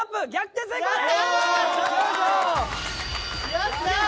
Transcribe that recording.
やったー！